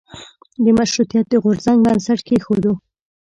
د مشروطیت د غورځنګ بنسټ کېښودیو.